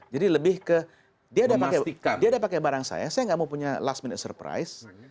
jadi lebih ke dia ada pakai barang saya saya tidak mau punya last minute surprise